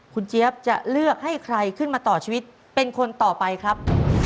คุณเจี๊ยบจะเลือกให้ใครขึ้นมาต่อชีวิตเป็นคนต่อไปครับ